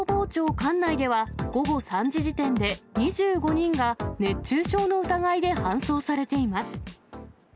管内では、午後３時時点で２５人が、熱中症の疑いで搬送されています。